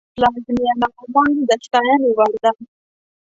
پلازمینه عمان د ستاینې وړ ده.